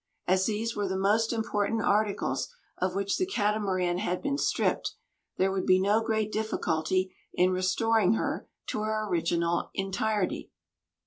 As these were the most important articles of which the Catamaran had been stripped, there would be no great difficulty in restoring her to her original entirety.